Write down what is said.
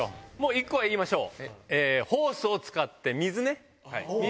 １個は言いましょう。